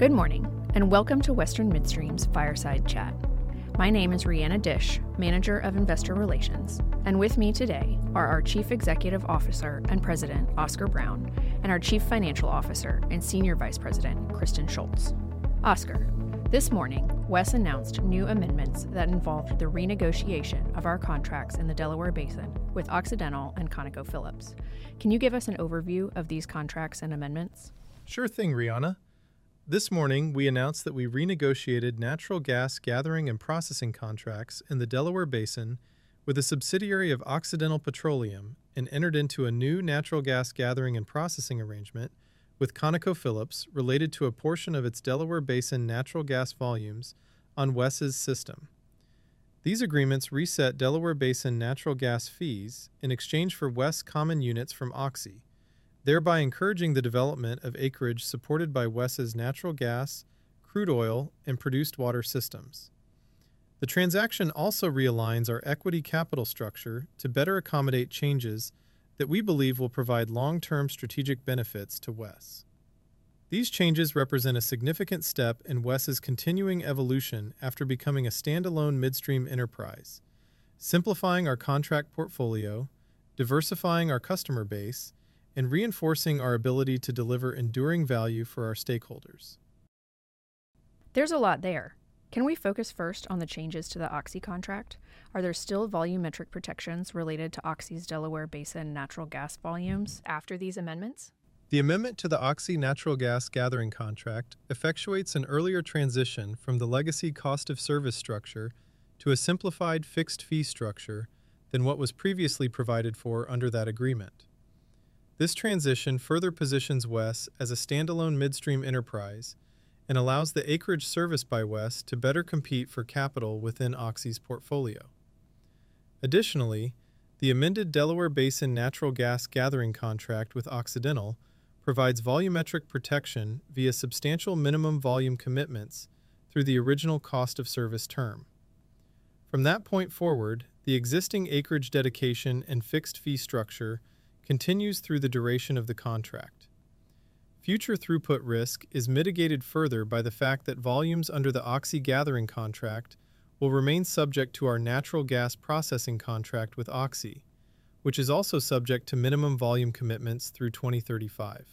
Good morning, and welcome to Western Midstream's Fireside Chat. My name is Rhianna Disch, Manager of Investor Relations, and with me today are our Chief Executive Officer and President, Oscar Brown, and our Chief Financial Officer and Senior Vice President, Kristen Shults. Oscar, this morning, WES announced new amendments that involved the renegotiation of our contracts in the Delaware Basin with Occidental and ConocoPhillips. Can you give us an overview of these contracts and amendments? Sure thing, Rhianna. This morning, we announced that we renegotiated natural gas gathering and processing contracts in the Delaware Basin with a subsidiary of Occidental Petroleum and entered into a new natural gas gathering and processing arrangement with ConocoPhillips, related to a portion of its Delaware Basin natural gas volumes on WES's system. These agreements reset Delaware Basin natural gas fees in exchange for WES common units from OXY, thereby encouraging the development of acreage supported by WES's natural gas, crude oil, and produced water systems. The transaction also realigns our equity capital structure to better accommodate changes that we believe will provide long-term strategic benefits to WES. These changes represent a significant step in WES's continuing evolution after becoming a standalone midstream enterprise, simplifying our contract portfolio, diversifying our customer base, and reinforcing our ability to deliver enduring value for our stakeholders. There's a lot there. Can we focus first on the changes to the OXY contract? Are there still volumetric protections related to OXY's Delaware Basin natural gas volumes after these amendments? The amendment to the OXY natural gas gathering contract effectuates an earlier transition from the legacy cost-of-service structure to a simplified fixed-fee structure than what was previously provided for under that agreement. This transition further positions WES as a standalone midstream enterprise and allows the acreage serviced by WES to better compete for capital within OXY's portfolio. Additionally, the amended Delaware Basin natural gas gathering contract with Occidental provides volumetric protection via substantial minimum volume commitments through the original cost-of-service term. From that point forward, the existing acreage dedication and fixed-fee structure continues through the duration of the contract. Future throughput risk is mitigated further by the fact that volumes under the OXY gathering contract will remain subject to our natural gas processing contract with OXY, which is also subject to minimum volume commitments through 2035.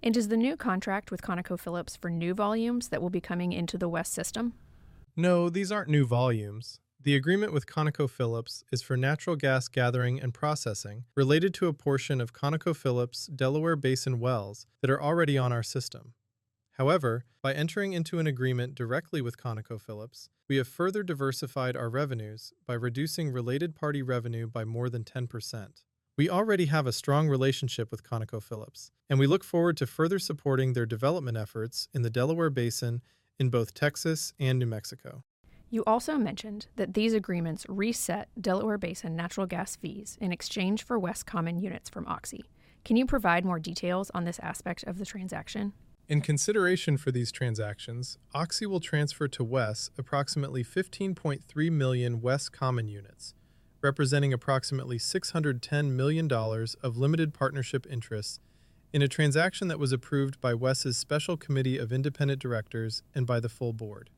Is the new contract with ConocoPhillips for new volumes that will be coming into the WES system? No, these aren't new volumes. The agreement with ConocoPhillips is for natural gas gathering and processing related to a portion of ConocoPhillips' Delaware Basin wells that are already on our system. However, by entering into an agreement directly with ConocoPhillips, we have further diversified our revenues by reducing related-party revenue by more than 10%. We already have a strong relationship with ConocoPhillips, and we look forward to further supporting their development efforts in the Delaware Basin in both Texas and New Mexico. You also mentioned that these agreements reset Delaware Basin natural gas fees in exchange for WES common units from OXY. Can you provide more details on this aspect of the transaction? In consideration for these transactions, OXY will transfer to WES approximately 15.3 million WES common units, representing approximately $610 million of limited partnership interests in a transaction that was approved by WES's Special Committee of Independent Directors and by the full board.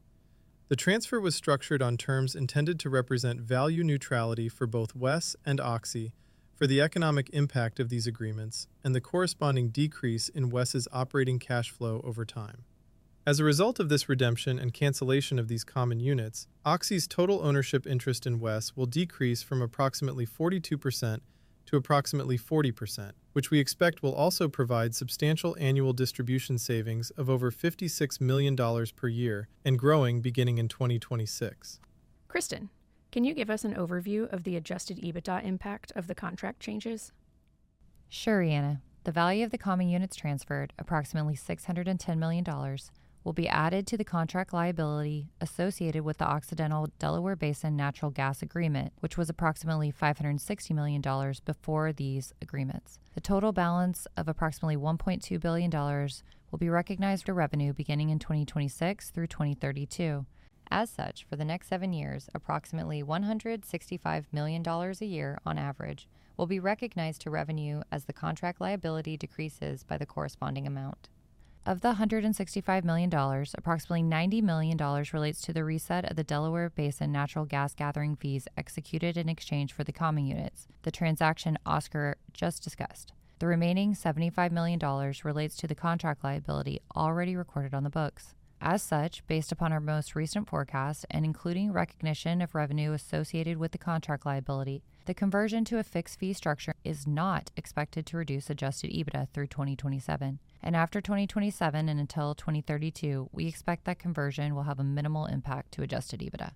The transfer was structured on terms intended to represent value neutrality for both WES and OXY for the economic impact of these agreements and the corresponding decrease in WES's operating cash flow over time. As a result of this redemption and cancellation of these common units, OXY's total ownership interest in WES will decrease from approximately 42% to approximately 40%, which we expect will also provide substantial annual distribution savings of over $56 million per year and growing beginning in 2026. Kristen, can you give us an overview of the adjusted EBITDA impact of the contract changes? Sure, Rhianna. The value of the common units transferred, approximately $610 million, will be added to the contract liability associated with the Occidental-Delaware Basin natural gas agreement, which was approximately $560 million before these agreements. The total balance of approximately $1.2 billion will be recognized to revenue beginning in 2026 through 2032. As such, for the next seven years, approximately $165 million a year on average will be recognized to revenue as the contract liability decreases by the corresponding amount. Of the $165 million, approximately $90 million relates to the reset of the Delaware Basin natural gas gathering fees executed in exchange for the common units, the transaction Oscar just discussed. The remaining $75 million relates to the contract liability already recorded on the books. As such, based upon our most recent forecast and including recognition of revenue associated with the contract liability, the conversion to a fixed-fee structure is not expected to reduce adjusted EBITDA through 2027, and after 2027 and until 2032, we expect that conversion will have a minimal impact to adjusted EBITDA.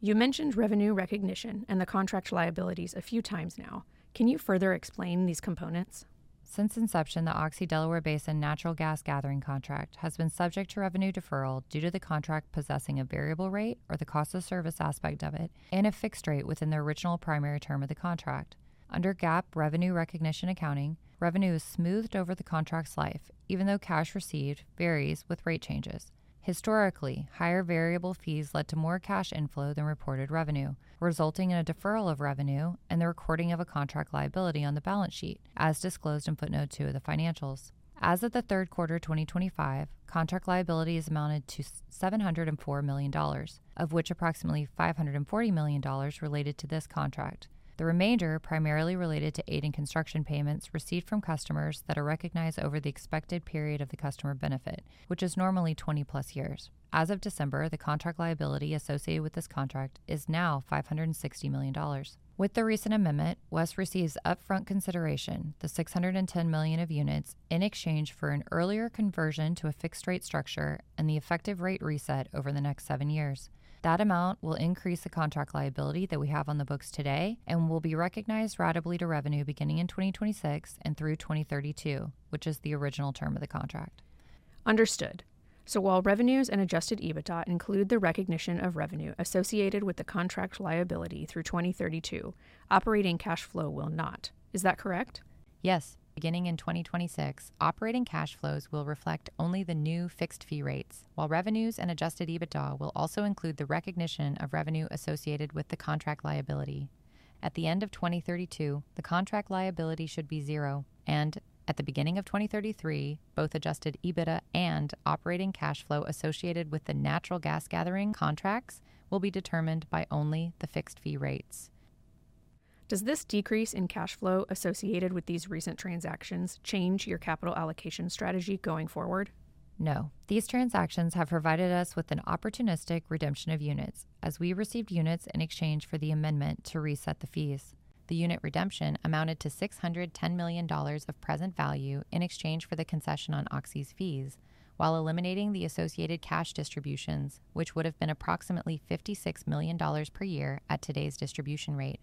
You mentioned revenue recognition and the contract liabilities a few times now. Can you further explain these components? Since inception, the OXY Delaware Basin natural gas gathering contract has been subject to revenue deferral due to the contract possessing a variable rate or the cost-of-service aspect of it and a fixed rate within the original primary term of the contract. Under GAAP revenue recognition accounting, revenue is smoothed over the contract's life, even though cash received varies with rate changes. Historically, higher variable fees led to more cash inflow than reported revenue, resulting in a deferral of revenue and the recording of a contract liability on the balance sheet, as disclosed in Footnote 2 of the financials. As of the third quarter of 2025, contract liability is amounted to $704 million, of which approximately $540 million related to this contract. The remainder primarily related to aid in construction payments received from customers that are recognized over the expected period of the customer benefit, which is normally 20+ years. As of December, the contract liability associated with this contract is now $560 million. With the recent amendment, WES receives upfront consideration: the $610 million of units in exchange for an earlier conversion to a fixed-rate structure and the effective rate reset over the next seven years. That amount will increase the contract liability that we have on the books today and will be recognized ratably to revenue beginning in 2026 and through 2032, which is the original term of the contract. Understood. So while revenues and adjusted EBITDA include the recognition of revenue associated with the contract liability through 2032, operating cash flow will not. Is that correct? Yes. Beginning in 2026, operating cash flows will reflect only the new fixed-fee rates, while revenues and adjusted EBITDA will also include the recognition of revenue associated with the contract liability. At the end of 2032, the contract liability should be zero, and at the beginning of 2033, both adjusted EBITDA and operating cash flow associated with the natural gas gathering contracts will be determined by only the fixed-fee rates. Does this decrease in cash flow associated with these recent transactions change your capital allocation strategy going forward? No. These transactions have provided us with an opportunistic redemption of units, as we received units in exchange for the amendment to reset the fees. The unit redemption amounted to $610 million of present value in exchange for the concession on OXY's fees, while eliminating the associated cash distributions, which would have been approximately $56 million per year at today's distribution rate.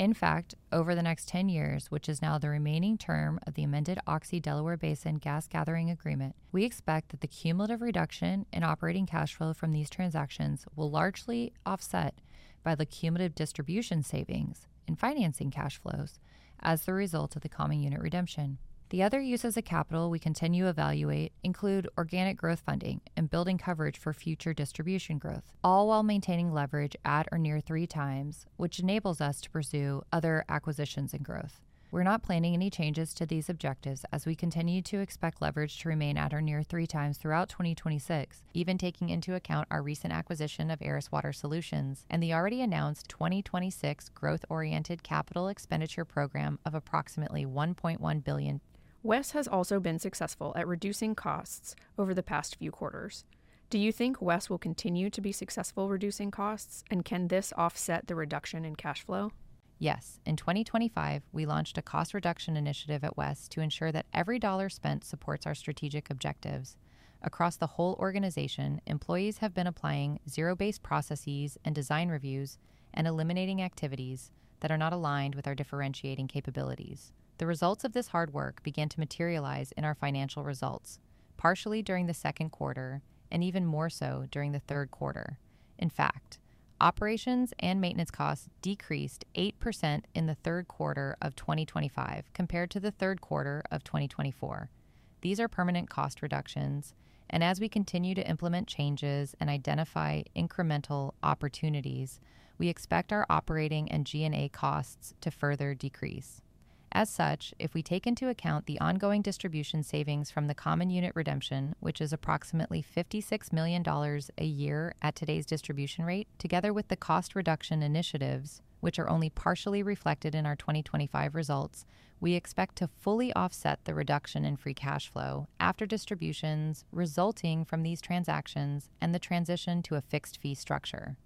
In fact, over the next 10 years, which is now the remaining term of the amended OXY Delaware Basin gas gathering agreement, we expect that the cumulative reduction in operating cash flow from these transactions will largely offset by the cumulative distribution savings in financing cash flows as the result of the common unit redemption. The other uses of capital we continue to evaluate include organic growth funding and building coverage for future distribution growth, all while maintaining leverage at or near 3x, which enables us to pursue other acquisitions and growth. We're not planning any changes to these objectives as we continue to expect leverage to remain at or near 3x throughout 2026, even taking into account our recent acquisition of Aris Water Solutions and the already announced 2026 growth-oriented capital expenditure program of approximately $1.1 billion. WES has also been successful at reducing costs over the past few quarters. Do you think WES will continue to be successful reducing costs, and can this offset the reduction in cash flow? Yes. In 2025, we launched a cost reduction initiative at WES to ensure that every dollar spent supports our strategic objectives. Across the whole organization, employees have been applying zero-based processes and design reviews and eliminating activities that are not aligned with our differentiating capabilities. The results of this hard work began to materialize in our financial results, partially during the second quarter and even more so during the third quarter. In fact, operations and maintenance costs decreased 8% in the third quarter of 2025 compared to the third quarter of 2024. These are permanent cost reductions, and as we continue to implement changes and identify incremental opportunities, we expect our operating and G&A costs to further decrease. As such, if we take into account the ongoing distribution savings from the common unit redemption, which is approximately $56 million a year at today's distribution rate, together with the cost reduction initiatives, which are only partially reflected in our 2025 results, we expect to fully offset the reduction in free cash flow after distributions resulting from these transactions and the transition to a fixed fee structure.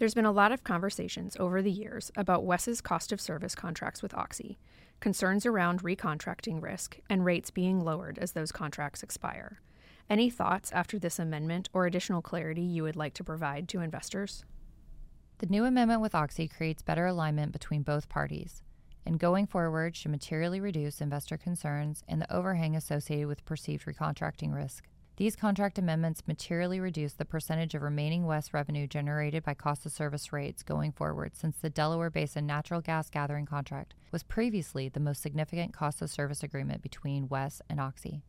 There's been a lot of conversations over the years about WES's cost-of-service contracts with OXY, concerns around recontracting risk, and rates being lowered as those contracts expire. Any thoughts after this amendment or additional clarity you would like to provide to investors? The new amendment with OXY creates better alignment between both parties, and going forward should materially reduce investor concerns and the overhang associated with perceived recontracting risk. These contract amendments materially reduce the percentage of remaining WES revenue generated by cost-of-service rates going forward since the Delaware Basin natural gas gathering contract was previously the most significant cost-of-service agreement between WES and OXY.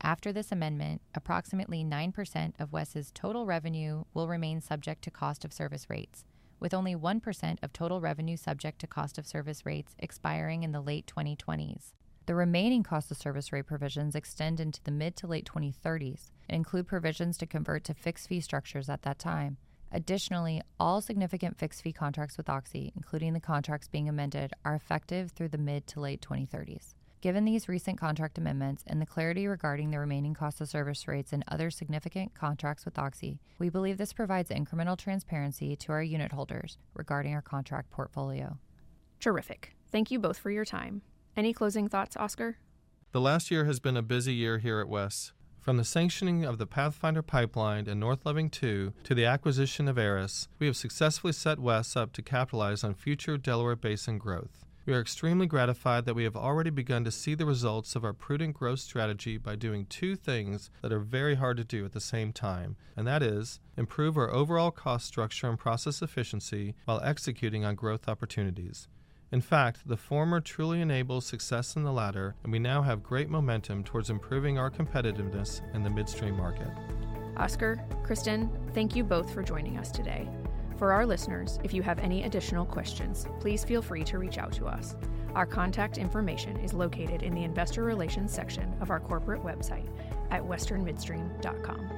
After this amendment, approximately 9% of WES's total revenue will remain subject to cost-of-service rates, with only 1% of total revenue subject to cost-of-service rates expiring in the late 2020s. The remaining cost-of-service rate provisions extend into the mid to late 2030s and include provisions to convert to fixed fee structures at that time. Additionally, all significant fixed fee contracts with OXY, including the contracts being amended, are effective through the mid to late 2030s. Given these recent contract amendments and the clarity regarding the remaining cost-of-service rates and other significant contracts with OXY, we believe this provides incremental transparency to our unit holders regarding our contract portfolio. Terrific. Thank you both for your time. Any closing thoughts, Oscar? The last year has been a busy year here at WES. From the sanctioning of the Pathfinder Pipeline and North Loving II to the acquisition of Aris, we have successfully set WES up to capitalize on future Delaware Basin growth. We are extremely gratified that we have already begun to see the results of our prudent growth strategy by doing two things that are very hard to do at the same time, and that is improve our overall cost structure and process efficiency while executing on growth opportunities. In fact, the former truly enables success in the latter, and we now have great momentum towards improving our competitiveness in the midstream market. Oscar, Kristen, thank you both for joining us today. For our listeners, if you have any additional questions, please feel free to reach out to us. Our contact information is located in the investor relations section of our corporate website at westernmidstream.com.